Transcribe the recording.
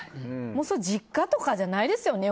もう実家とかじゃないですよね。